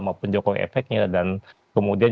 maupun jokowi efeknya dan kemudian